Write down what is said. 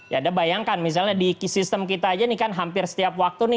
ya anda bayangkan misalnya di sistem kita aja ini kan hampir setiap waktu nih